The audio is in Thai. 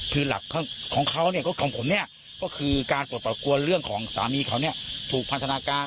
คือหลักของเขาเนี่ยก็ควรคือการปกติว่าเรื่องของสามีเขามีคนถูกพันธนาการ